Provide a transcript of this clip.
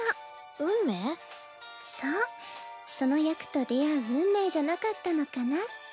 その役と出会う運命じゃなかったのかなって。